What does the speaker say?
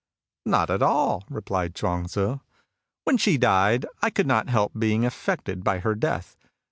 "Not at all," replied Chuang Tzu. "When she died, I could not help being affected by her death.